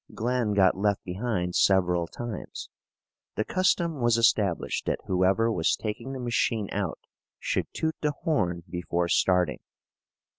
Glen got left behind several times. The custom was established that whoever was taking the machine out should toot the horn before starting.